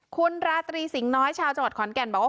คุณราตรีสิงห์น้อยชาวจังหวัดขอนแก่นบอกว่า